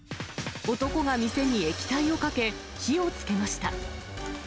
男が店に液体をかけ、火をつけました。